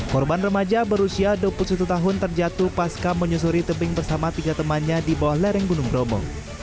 korban remaja berusia dua puluh satu tahun terjatuh pasca menyusuri tebing bersama tiga temannya di bawah lereng gunung bromo